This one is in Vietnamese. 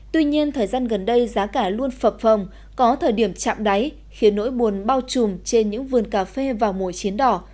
tuy nhiên thời gian gần đây giá cả luôn phập phồng có thời điểm chạm đáy khiến nỗi buồn bao trùm trên những vườn cà phê vào mùa chiến đỏ